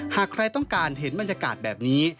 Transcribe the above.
หากใครต้องการเห็นบรรยากาศแบบนี้